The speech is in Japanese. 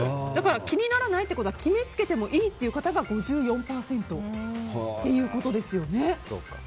気にならないってことは決めつけてもいいという方が５４％ということですよね。